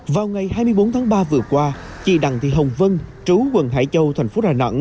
vào ngày hai mươi bốn tháng ba vừa qua chị đặng thị hồng vân chú quận hải châu thành phố đà nẵng